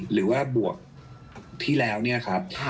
หรือว่าบวกทีแล้วเนี่ยครับ